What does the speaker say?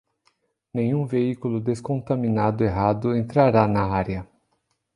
Nenhum veículo descontaminado errado entrará na área.